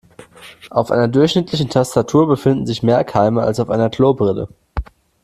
Auf einer durchschnittlichen Tastatur befinden sich mehr Keime als auf einer Klobrille.